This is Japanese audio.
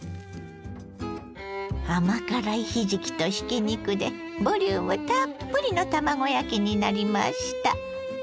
甘辛いひじきとひき肉でボリュームたっぷりの卵焼きになりました。